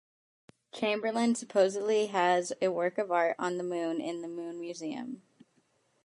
Chamberlain supposedly has a work of art on the moon in the Moon Museum.